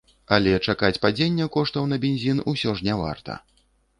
Але чакаць падзення коштаў на бензін усё ж не варта.